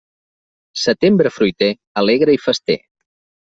Setembre fruiter, alegre i fester.